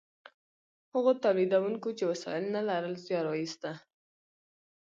هغو تولیدونکو چې وسایل نه لرل زیار ویسته.